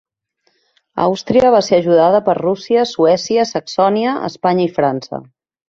Àustria va ser ajudada per Rússia, Suècia, Saxònia, Espanya i França.